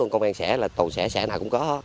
công an xẻ tàu xẻ xẻ nào cũng có